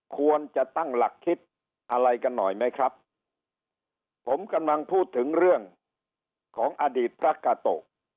ควรจะตั้งหลักคิดอะไรกันหน่อยไหมครับผมกำลังพูดถึงเรื่องของอดีตพระกาโตะ